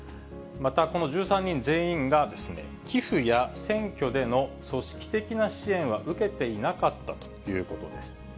またこの１３人全員が、寄付や選挙での組織的な支援は受けていなかったということです。